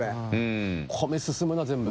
米進むな全部。